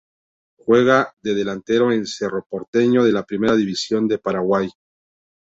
Juega de delantero en Cerro Porteño de la Primera División de Paraguay.